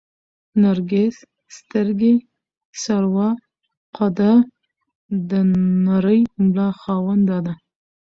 نرګس سترګې، سروه قده، د نرۍ ملا خاونده ده